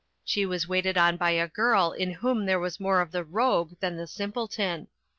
She was waited on by a girl in whom there was more of the rogue than the simpleton.